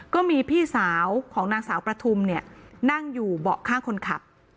ก็มีพี่สาวของนางสาวประทุมเนี่ยนั่งอยู่เบาะข้างคนขับ